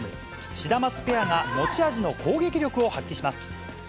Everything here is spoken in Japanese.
シダマツペアが持ち味の攻撃力を発揮します。